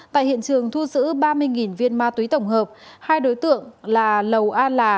tại hiện trường thu giữ ba mươi viên ma túy tổng hợp hai đối tượng là lầu a là